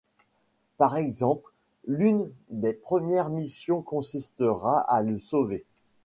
Par exemple l'une des premières missions consistera à le sauver.